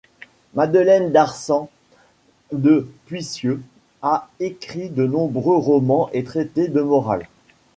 Madeleine d'Arsant de Puisieux a écrit de nombreux romans et traités de morale.